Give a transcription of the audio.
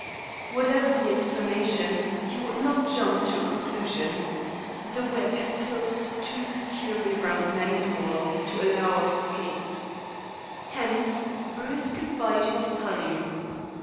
Whatever the explanation, he would not jump to a conclusion. The web had closed too securely round Mensmore to allow of escape. Hence, Bruce could bide his time.